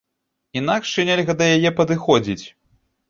Інакш і нельга да яе падыходзіць.